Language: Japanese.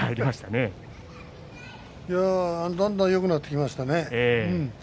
だんだんよくなってきましたね。